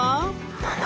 何だ？